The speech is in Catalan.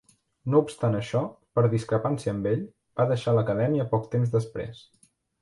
No obstant això, per discrepància amb ell, va deixar l'acadèmia poc temps després.